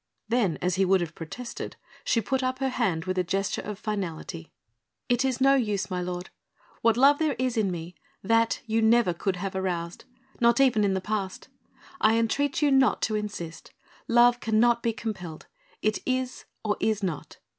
Then as he would have protested, she put up her hand with a gesture of finality. "It is no use, my lord. What love there is in me, that you could never have aroused not even in the past. I entreat you not to insist. Love cannot be compelled. It is or is not.